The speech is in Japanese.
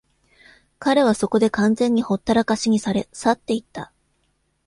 彼はそこで完全にほったらかしにされ、去っていった。